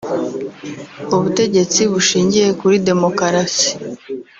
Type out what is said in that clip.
ubutegetsi bushingiye kuri Demokarasi